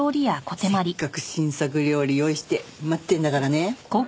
せっかく新作料理用意して待ってるんだからね。